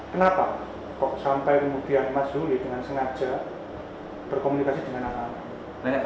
kenapa kok sampai kemudian mas zuli dengan sengaja berkomunikasi dengan anak anak